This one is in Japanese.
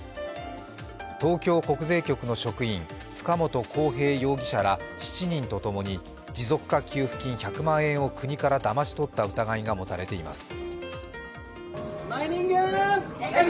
東京国税局の職員、塚本晃平容疑者ら７人とともに持続化給付金１００万円を国からだまし取った疑いが持たれています。